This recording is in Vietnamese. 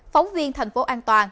phóng viên tp aea